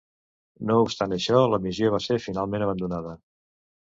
No obstant això, la missió va ser finalment abandonada.